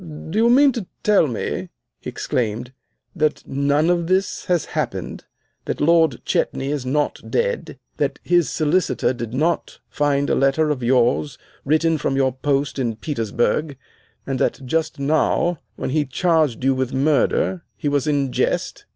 "Do you mean to tell me," he exclaimed, "that none of this has happened? That Lord Chetney is not dead, that his Solicitor did not find a letter of yours written from your post in Petersburg, and that just now, when he charged you with murder, he was in jest?"